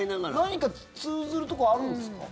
何か通ずるところはあるんですか？